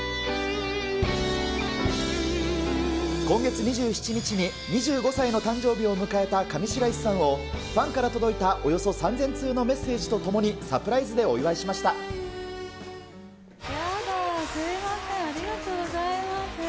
今月２７日に２５歳の誕生日を迎えた上白石さんを、ファンから届いたおよそ３０００通のメッセージとともに、サプライズでお祝いやだー、すみません、ありがとうございます。